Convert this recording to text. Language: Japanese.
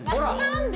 何で？